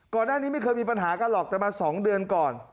ก่อนหน้านี้ไม่เคยมีปัญหากันหรอกแต่มา๒เดือนก่อน